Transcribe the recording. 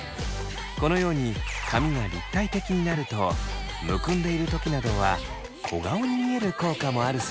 このように髪が立体的になるとむくんでいる時などは小顔に見える効果もあるそうです。